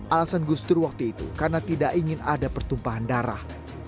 alasan gus dur waktu itu karena tidak ingin ada pertumpahan darah